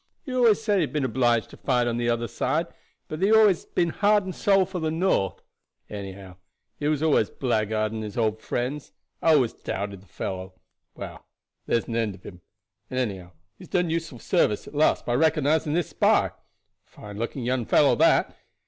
He always said he had been obliged to fight on the other side, but that he had always been heart and soul for the North; anyhow, he was always blackguarding his old friends. I always doubted the fellow. Well, there's an end of him; and anyhow he has done useful service at last by recognizing this spy. Fine looking young fellow that.